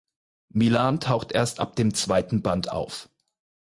Milan taucht erst ab dem zweiten Band auf.